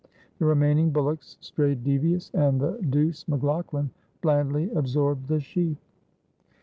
The remaining bullocks strayed devious, and the douce McLaughlan blandly absorbed the sheep.